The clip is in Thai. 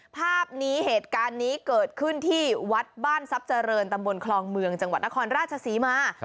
ภาพนี้เหตุการณ์นี้เกิดขึ้นที่วัดบ้านทรัพย์เจริญตำบลคลองเมืองจังหวัดนครราชศรีมา